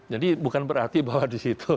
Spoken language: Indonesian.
jadi bukan berarti bahwa di situ